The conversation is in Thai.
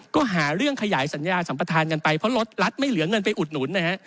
ก็หาเรื่องขยายสัญญาสัมประธานกันไปเพราะรถรัฐไม่เหลือเงินไปอุดหนุนนะฮะ